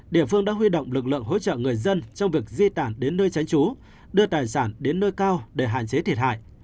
địa phương đã huy động lực lượng hỗ trợ người dân trong việc di tản đến nơi tránh trú đưa tài sản đến nơi cao để hạn chế thiệt hại